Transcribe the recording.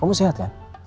kamu sehat kan